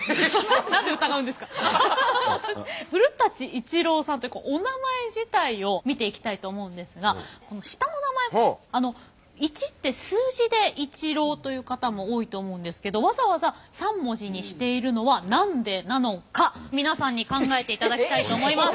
古伊知郎さんっておなまえ自体を見ていきたいと思うんですがこの下の名前「いち」って数字で「一郎」という方も多いと思うんですけどわざわざ３文字にしているのは何でなのか皆さんに考えていただきたいと思います。